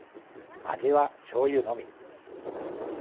味はしょうゆのみ。